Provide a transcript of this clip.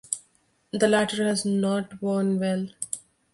The latter has not worn well.